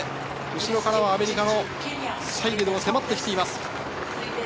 後ろからアメリカのサイデルが迫ってきています。